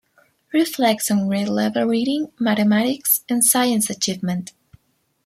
Reflects on grade level reading, mathematics and science achievement.